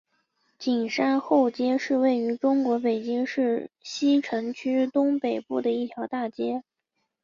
景山后街是位于中国北京市西城区东北部的一条大街。